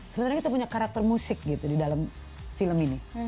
sebenarnya kita punya karakter musik gitu di dalam film ini